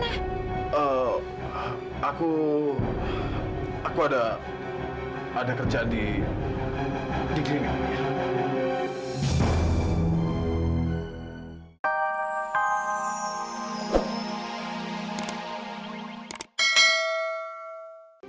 eh aku aku ada ada kerjaan di di grimi